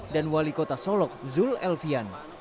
dan wali kota solok zul elfian